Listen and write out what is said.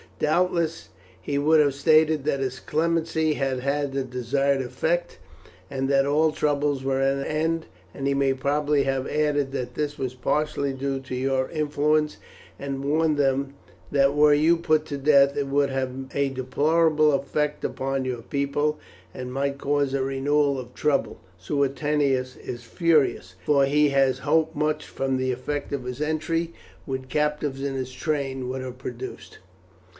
Doubtless he would have stated that his clemency had had the desired effect, and that all trouble was at an end; he may probably have added that this was partly due to your influence, and warned them that were you put to death it would have a deplorable effect among your people and might cause a renewal of trouble. Suetonius is furious, for he has hoped much from the effect his entry with captives in his train would have produced.